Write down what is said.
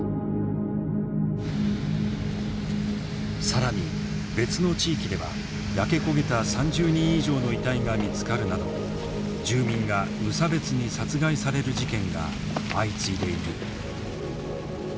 更に別の地域では焼け焦げた３０人以上の遺体が見つかるなど住民が無差別に殺害される事件が相次いでいる。